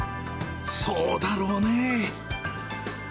そうだろうね。